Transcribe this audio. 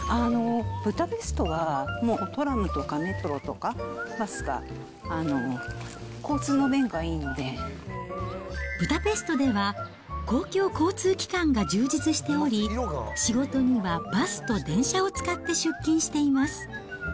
ブダペストはもうトラムとかメトロとか、ブダペストでは、公共交通機関が充実しており、仕事にはバスと電車を使って出勤しています。